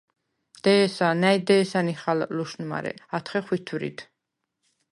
დე̄სა, ნა̈ჲ დე̄სა ნიხალ ლუშნუ, მარე ათხე ხვითვრიდ.